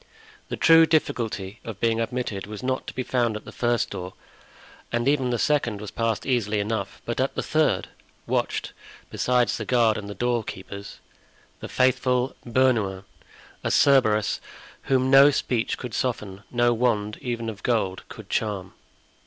The true difficulty of being admitted was not to be found at the first door, and even the second was passed easily enough; but at the third watched, besides the guard and the doorkeepers, the faithful Bernouin, a Cerberus whom no speech could soften, no wand, even of gold, could charm.